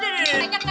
jangan jangan jangan